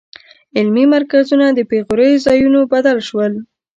علمي مرکزونه د بېغوریو ځایونو بدل شول.